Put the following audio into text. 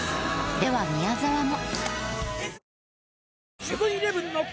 では宮沢も。